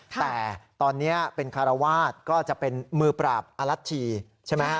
แต่ตอนนี้เป็นคารวาสก็จะเป็นมือปราบอลัชชีใช่ไหมฮะ